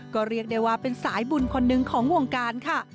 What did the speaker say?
ก็เรียกได้ว่าเป็นสายบุญคนหนึ่งของวงการค่ะ